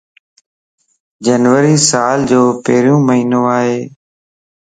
جنوري سال ءَ جو پھريون مھينو ائي.